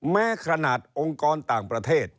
แม้ขนาดองค์กรต่างประเทศ